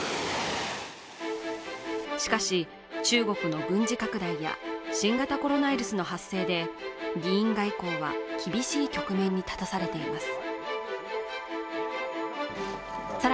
しかし中国の軍事拡大や新型コロナウイルスの発生で議員外交は厳しい局面に立たされています